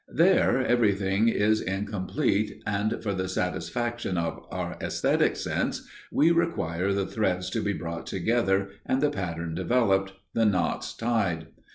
There everything is incomplete and, for the satisfaction of our æsthetic sense, we require the threads to be brought together, and the pattern developed, the knots tied.